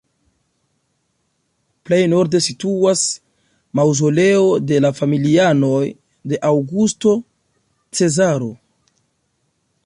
Plej norde situas maŭzoleo de la familianoj de Aŭgusto Cezaro.